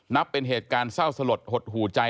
นับเป็นเหตุการณ์เศร้าสลดหดหูใจ